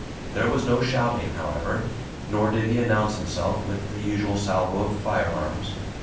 There was no shouting, however, nor did he announce himself with the usual salvo of firearms.